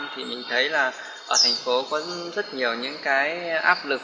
thì mình thấy là ở thành phố có rất nhiều những cái áp lực